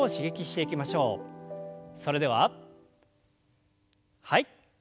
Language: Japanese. それでははい。